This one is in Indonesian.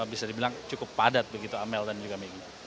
bisa dibilang cukup padat begitu amel dan juga maggie